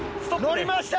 乗りました！